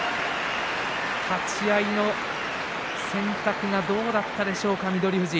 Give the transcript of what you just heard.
立ち合いの選択はどうだったでしょうか。